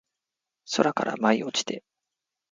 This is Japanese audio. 空から舞い落ちて